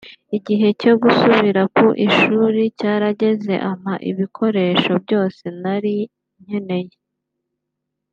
Igihe cyo gusubira ku ishuli cyarageze ampa ibikoresho byose nari nkeneye